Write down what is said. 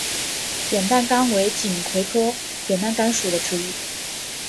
扁担杆为锦葵科扁担杆属的植物。